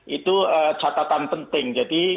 itu catatan penting